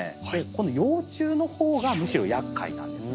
この幼虫の方がむしろやっかいなんです。